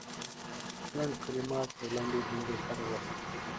لنډ کلمات او لنډې جملې کارول